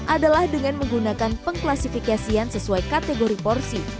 adalah dengan menggunakan pengklasifikasian sesuai kategori porsi